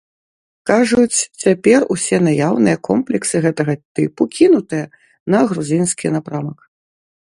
Кажуць, цяпер усе наяўныя комплексы гэтага тыпу кінутыя на грузінскі напрамак.